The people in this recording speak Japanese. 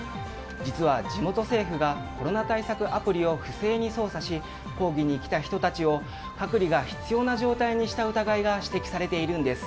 実は地元政府がコロナ対策アプリを不正に操作し抗議に来た人たちを隔離が必要な状態にした疑いが指摘されているんです。